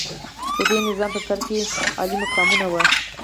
د دې نظام په سر کې عالي مقامونه وو.